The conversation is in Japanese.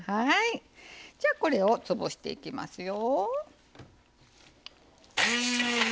じゃあこれを潰していきますよ。